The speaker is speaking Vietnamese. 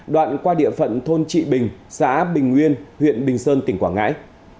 đoạn qua địa phận thôn trị bình xã bình nguyên huyện bình sơn tỉnh quảng ngãi